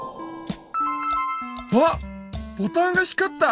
あっボタンが光った！